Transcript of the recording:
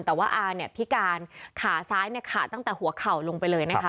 แต่ว่าอาเนี่ยพิการขาซ้ายเนี่ยขาดตั้งแต่หัวเข่าลงไปเลยนะคะ